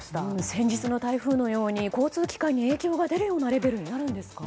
先日の台風のように交通機関に影響が出るようなレベルになるんですか？